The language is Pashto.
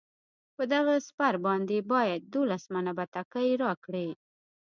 په دغه سپر باندې باید دولس منه بتکۍ راکړي.